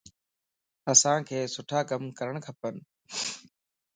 اسانک سٺا ڪم ڪرڻ کپن.